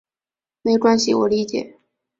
没关系，我理解。